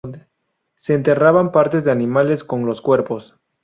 Se enterraban partes de animales con los cuerpos.